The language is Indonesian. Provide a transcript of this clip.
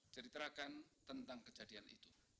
ceritakan tentang kejadian itu